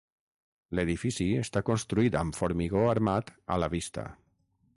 L'edifici està construït amb formigó armat a la vista.